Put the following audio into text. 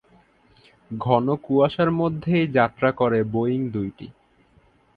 ঘন কুয়াশার মধ্যেই যাত্রা করে বোয়িং দুইটি।